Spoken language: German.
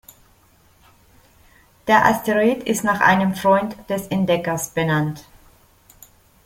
Der Asteroid ist nach einem Freund des Entdeckers benannt.